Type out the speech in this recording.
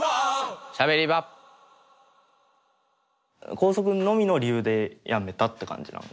校則のみの理由でやめたって感じなの？